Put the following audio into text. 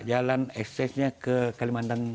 jalan eksesnya ke kalimantan